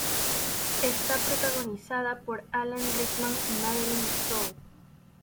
Está protagonizada por Alan Rickman y Madeleine Stowe.